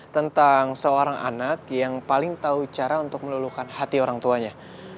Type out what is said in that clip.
tentang seorang anak yang paling tahu cara untuk melulukan hati orang tuanya